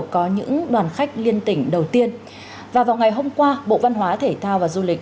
có những đoàn khách liên tỉnh đầu tiên và vào ngày hôm qua bộ văn hóa thể thao và du lịch